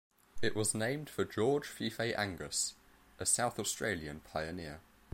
It was named for George Fife Angas, a South Australian pioneer.